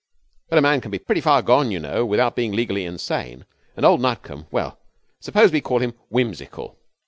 But a man can be pretty far gone, you know, without being legally insane, and old Nutcombe well, suppose we call him whimsical.